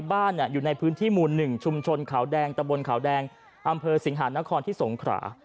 บ้านอยู่ในพื้นที่หมู่๑ชุมชนขาวแดงตะบนขาวแดงอำเภอสิงหานครที่สงขรา